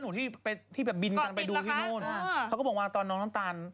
ที่ไปที่แบบบินกันไปดูที่นู่นเขาก็บอกว่าตอนน้องน้ำตาล